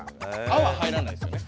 「あ」は入らないですよね。